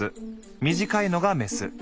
短いのがメス。